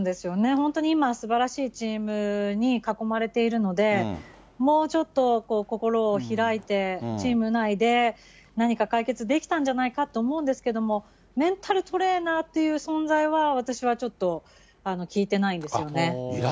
本当に今、すばらしいチームに囲まれているので、もうちょっと心を開いて、チーム内で何か解決できたんじゃないかって思うんですけど、メンタルトレーナーっていう存在は、私はちょっと聞いてないですよね。